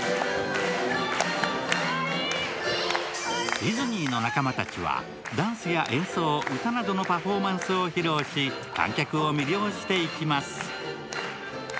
ディズニーの仲間たちはダンスや演奏、歌などのパフォーマンスを披露し観客を魅了していきます。